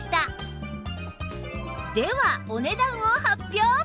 ではお値段を発表！